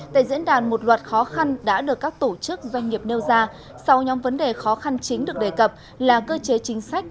tại diễn đàn một loạt khó khăn đã được các tổ chức doanh nghiệp nêu ra sau nhóm vấn đề khó khăn chính được đề cập là cơ chế chính sách